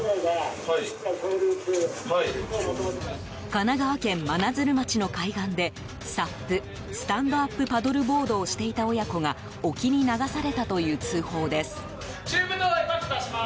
神奈川県真鶴町の海岸でＳＵＰ・スタンドアップパドルボードをしていた親子が沖に流されたという通報です。